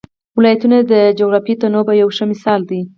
ولایتونه د جغرافیوي تنوع یو ښه مثال دی.